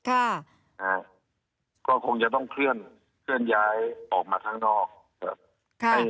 ค่ะนะฮะก็คงจะต้องเคลื่อนเคลื่อนย้ายออกมาข้างนอกครับ